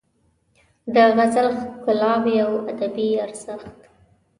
د غزل ښکلاوې او ادبي ارزښت